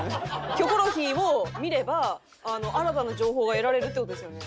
『キョコロヒー』を見れば新たな情報が得られるっていう事ですよね。